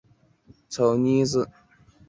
维耶尔济人口变化图示